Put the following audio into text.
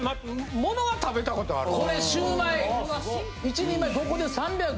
ものは食べたことあるわ。